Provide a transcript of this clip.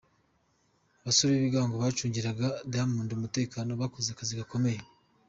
Abasore b'ibingango bacungiraga Diamond umutekano bakoze akazi gakomeye.